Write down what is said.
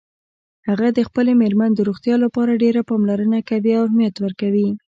هغه د خپلې میرمن د روغتیا لپاره ډېره پاملرنه کوي او اهمیت ورکوي